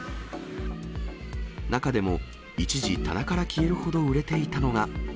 中でも一時、棚から消えるほど売れていたのが。